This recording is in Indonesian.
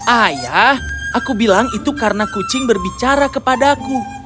ayah aku bilang itu karena kucing berbicara kepadaku